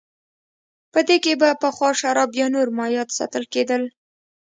په دې کې به پخوا شراب یا نور مایعات ساتل کېدل